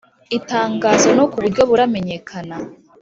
ltangazo noku buryo buramenyekana